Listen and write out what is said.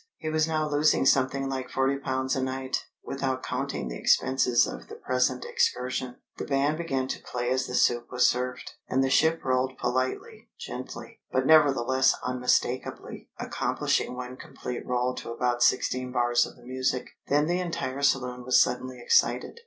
He was now losing something like forty pounds a night without counting the expenses of the present excursion. The band began to play as the soup was served, and the ship rolled politely, gently, but nevertheless unmistakably, accomplishing one complete roll to about sixteen bars of the music. Then the entire saloon was suddenly excited.